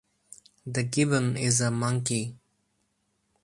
The gibbon is a monkey.